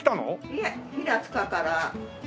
いえ平塚から。